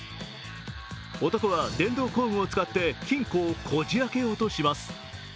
男は電動工具を使って金庫をこじ開けようとします。